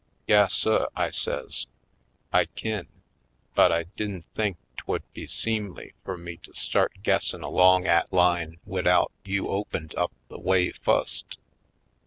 "Yas suh," I says, "I kin; but I didn' think 'twould be seemly fur me to start guessin' along 'at line widout you opened up the way fust."